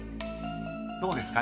どうですか？